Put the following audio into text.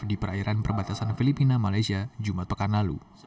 di perairan perbatasan filipina malaysia jumat pekan lalu